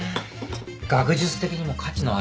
学術的にも価値のあるものだ。